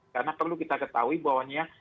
karena perlu kita ketahui bahwa